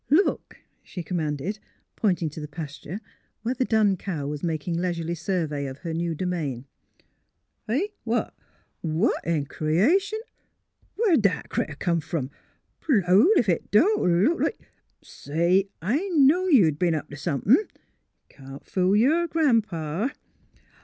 '' Look !'' she commanded, pointing to the pasture, where the dun cow was making leisurely survey of her new domain. *' Heh? — ^What in creation! Where 'd that crit ter come f'om? Blowed if it don't look like Say! I knowed you'd b'en up t' somethin'. Can't fool yer Gran 'pa!